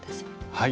はい。